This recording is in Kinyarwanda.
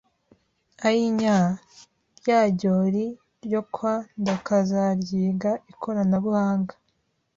Ayinya! Rya jyori ryo kwa Ndakazaryiga ikoranabuhanga!